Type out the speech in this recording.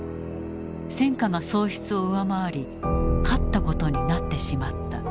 戦果が喪失を上回り勝ったことになってしまった。